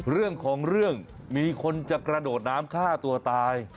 เรื่องของเรื่องมีคนจะกระโดดน้ำฆ่าตัวตาย